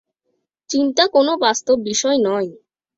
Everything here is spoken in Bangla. চিন্তা কোনো বাস্তব বিষয় নয়।